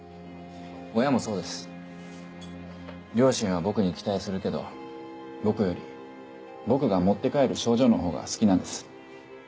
親もそうです両親は僕に期待するけど僕より僕が持って帰る賞状のほうが好きなんです